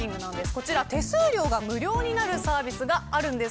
こちら、手数料が無料になるサービスがあるんです。